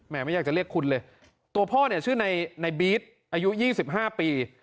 แหมไม่อยากจะเรียกคุณเลยตัวพ่อเนี้ยชื่อในในบี๊ดอายุยี่สิบห้าปี